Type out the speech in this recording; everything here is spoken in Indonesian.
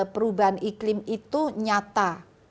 perubahan iklim itu nyata